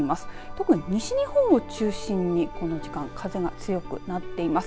特に西日本を中心にこの時間風が強くなっています。